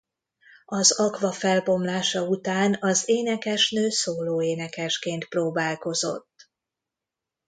Az Aqua felbomlása után az énekesnő szólóénekesként próbálkozott.